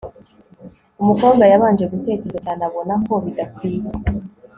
umukobwa yabanje gutekereza cyane abona ko bidakwiye